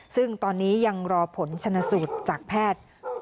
ซึ่งตอนนี้ยังรอผลชนสูตรจากแพทย์